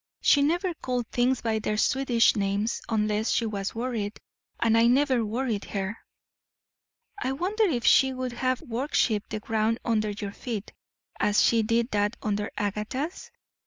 "She never called things by their Swedish names unless she was worried; and I never worried her." "I wonder if she would have worshipped the ground under your feet, as she did that under Agatha's?"